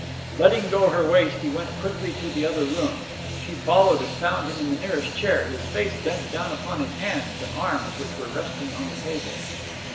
Letting go her waist he went quickly to the other room. She followed, and found him in the nearest chair, his face bent down upon his hands and arms, which were resting on the table.